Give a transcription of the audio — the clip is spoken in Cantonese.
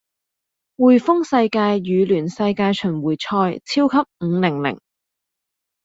滙豐世界羽聯世界巡迴賽超級五零零